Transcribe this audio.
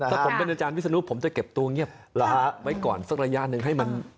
ถ้าผมเป็นอาจารย์วิศนุผมจะเก็บตัวเงียบไว้ก่อนสักระยะหนึ่งให้มัน